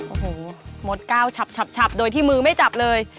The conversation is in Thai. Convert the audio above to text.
โอ้โหมดก้าวฉับโดยที่มือไม่จับเลย